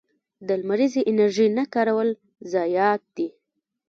د لمریزې انرژۍ نه کارول ضایعات دي.